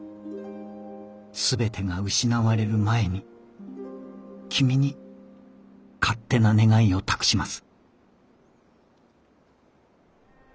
「全てが喪われる前に君に勝手な願いを託します」。